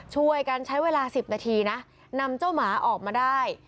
ช่วยกันใช้เวลา๑๐นาทีนะนำเจ้าหมาออกมาได้